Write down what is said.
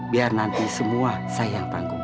biar nanti semua saya yang tanggung